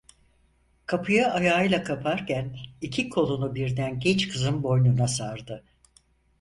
Kapıyı ayağıyla kaparken iki kolunu birden genç kızın boynuna sardı: